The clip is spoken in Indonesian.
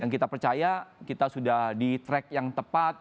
kita percaya kita sudah di track yang tepat